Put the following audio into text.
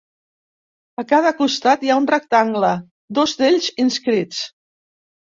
A cada costat hi ha un rectangle, dos d'ells inscrits.